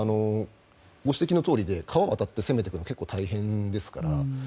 ご指摘のとおりで川を渡って攻めていくのは結構大変ですから。